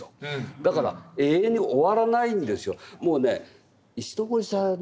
だから永遠に終わらないんですよ。